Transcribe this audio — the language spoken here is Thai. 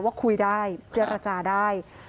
ว่าคุยได้เจรจาได้